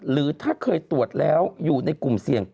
หรือถ้าเคยตรวจแล้วอยู่ในกลุ่มเสี่ยง